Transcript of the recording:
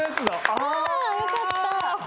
ああよかった。